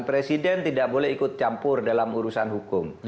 presiden tidak boleh ikut campur dalam urusan hukum